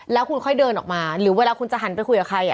แล้วคุณค่อยเดินออกมาหรือเวลาคุณจะหันไปคุยกับใคร